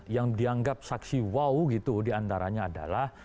yang dianggap saksi wow gitu diantaranya adalah